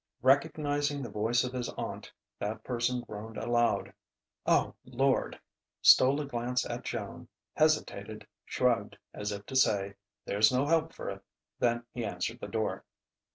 Recognizing the voice of his aunt, that person groaned aloud "O Lord!" stole a glance at Joan, hesitated, shrugged, as if to say: There's no help for it! Then he answered the door.